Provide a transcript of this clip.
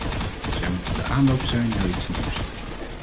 Zij moeten de aanloop zijn naar iets nieuws.